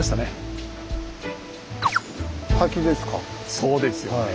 そうですよね。